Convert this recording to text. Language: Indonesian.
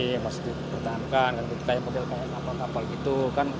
yang masih dipertahankan kayak model model kapal kapal gitu